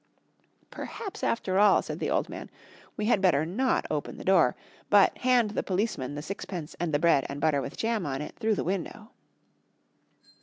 "Perhaps after all," said the old man, "we had better not open the door, but hand the policeman the sixpence and the bread and butter with jam on it through the window."